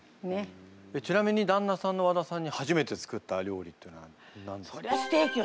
ちなみにだんなさんの和田さんに初めて作った料理っていうのは何だったんですか？